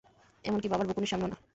এমনকি বাবার বকুনির সামনেও না।